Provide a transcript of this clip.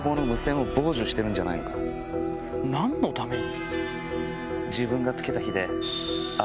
何のために？